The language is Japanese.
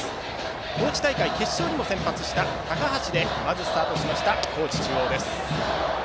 高知大会決勝にも先発した高橋でまずスタートしました高知中央。